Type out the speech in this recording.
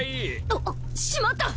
あぁっしまった！